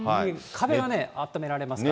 壁がね、あっためられますから。